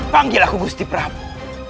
panggil aku gusti prabu